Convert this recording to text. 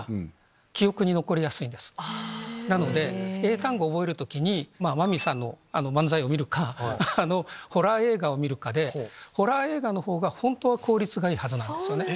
なので英単語を覚える時にマミィさんの漫才を見るかホラー映画を見るかでホラー映画のほうが本当は効率がいいはずなんですよね。